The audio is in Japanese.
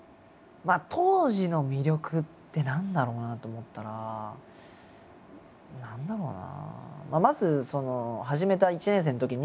当時の魅力って何だろうなと思ったら何だろうな。